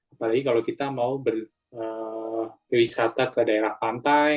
apalagi kalau kita mau berwisata ke daerah pantai